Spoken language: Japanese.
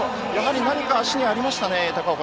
何か足にありましたね。